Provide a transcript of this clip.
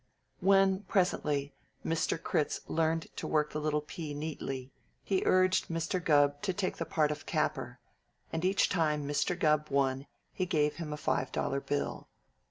When, presently, Mr. Critz learned to work the little pea neatly, he urged Mr. Gubb to take the part of capper, and each time Mr. Gubb won he gave him a five dollar bill.